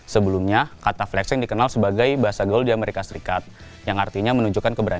sebelumnya kata flexing dikenal sebagai bahasa gol di amerika serikat yang artinya menunjukkan keberadaan